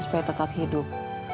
supaya tetap hidup